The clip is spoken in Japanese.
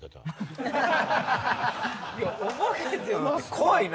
怖いな！